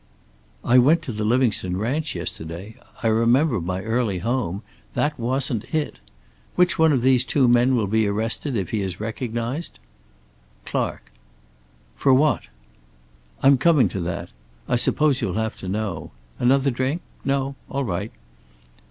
"I went to the Livingstone ranch yesterday. I remember my early home. That wasn't it. Which one of these two men will be arrested if he is recognized?" "Clark." "For what?" "I'm coming to that. I suppose you'll have to know. Another drink? No? All right.